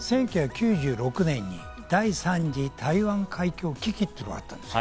１９９６年に第３次台湾海峡危機というのがあったんです。